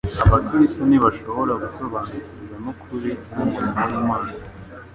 abakristo ntibashobora gusobanukirwa n'ukuri n'umurimo w'Imana.